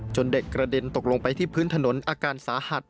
เด็กกระเด็นตกลงไปที่พื้นถนนอาการสาหัส